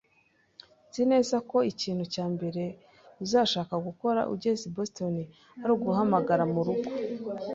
Nzi neza ko ikintu cya mbere uzashaka gukora ugeze i Boston ari guhamagara murugo